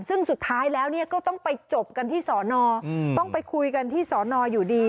ซึ่งสุดท้ายแล้วก็ต้องไปจบกันที่สอนอต้องไปคุยกันที่สอนออยู่ดี